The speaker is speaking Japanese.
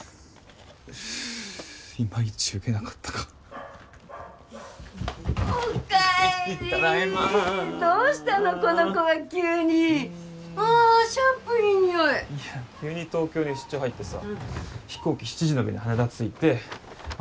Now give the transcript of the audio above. イマイチウケなかったかお帰りただいまどうしたのこの子は急にああシャンプーいい匂いいや急に東京に出張入ってさ飛行機７時の便で羽田着いてまあ